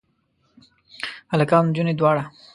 هلکان او انجونې دواړه؟